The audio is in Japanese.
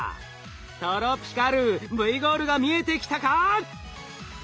トロピカルＶゴールが見えてきたか？